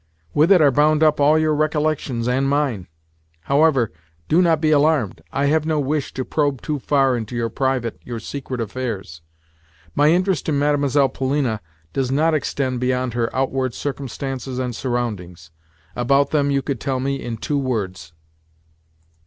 With it are bound up all your recollections and mine. However, do not be alarmed: I have no wish to probe too far into your private, your secret affairs. My interest in Mlle. Polina does not extend beyond her outward circumstances and surroundings. About them you could tell me in two words."